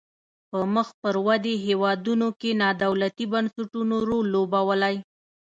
په مخ پر ودې هیوادونو کې نا دولتي بنسټونو رول لوبولای.